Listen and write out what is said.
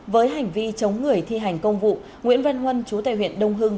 với hành vi chống người thi hành công vụ nguyễn văn huân chú tài huyện đông hưng